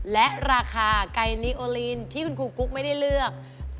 และราคาไก่ลีโอลินที่คุณครูกุ๊กไม่ได้เลือก